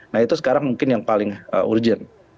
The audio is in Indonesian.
nah itu sekarang mungkin yang paling urgent